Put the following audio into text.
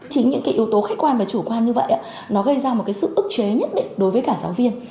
chính những cái yếu tố khách quan và chủ quan như vậy nó gây ra một cái sự ức chế nhất định đối với cả giáo viên